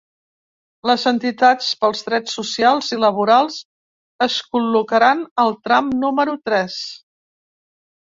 Les entitats pels drets socials i laborals es col·locaran al tram número tres.